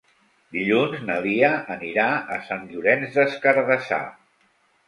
Dilluns na Lia anirà a Sant Llorenç des Cardassar.